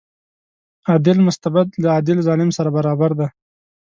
عادل مستبد له عادل ظالم سره برابر دی.